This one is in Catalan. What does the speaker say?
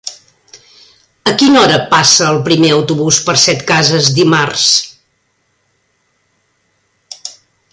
A quina hora passa el primer autobús per Setcases dimarts?